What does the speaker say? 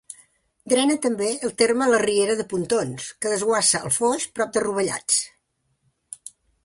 Drena també el terme la riera de Pontons, que desguassa al Foix prop de Rovellats.